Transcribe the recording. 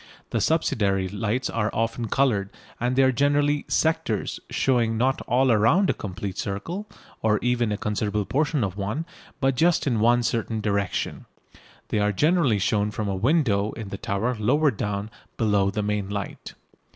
The subsidiary lights are often coloured, and they are generally "sectors" showing not all round a complete circle, or even a considerable portion of one, but just in one certain direction. They are generally shown from a window in the tower lower down below the main light.